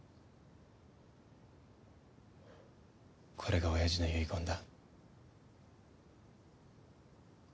これがおやじの遺言だ。